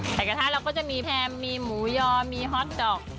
กระทะเราก็จะมีแพมมีหมูยอมีฮอตดอก